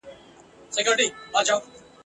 آیا پېغلي په جګړه کي شاملي وې؟